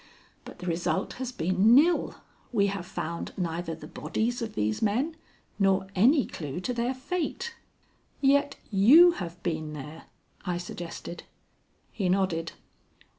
But the result has been nil. We have found neither the bodies of these men nor any clue to their fate." "Yet you have been there?" I suggested. He nodded.